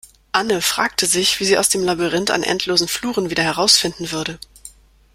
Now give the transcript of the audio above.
Anne fragte sich, wie sie aus dem Labyrinth an endlosen Fluren wieder herausfinden würde.